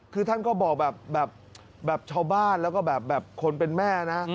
คือท่านก็บอกแบบชาวบ้านแล้วก็แบบคนเป็นแม่นะ